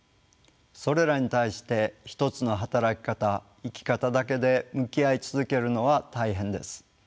それらに対して一つの働き方生き方だけで向き合い続けるのは大変です。